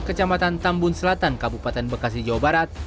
kambun selatan kabupaten bekasi jawa barat